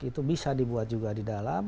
itu bisa dibuat juga di dalam